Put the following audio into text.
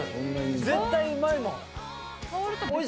絶対うまいもん。